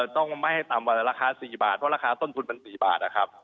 ต้องไม่ให้ต่ำกว่าราคา๔บาทเพราะราคาต้นทุนมัน๔บาทนะครับ